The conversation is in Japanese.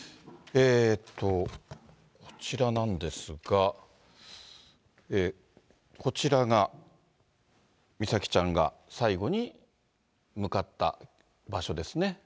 こちらなんですが、こちらが、美咲ちゃんが最後に向かった場所ですね。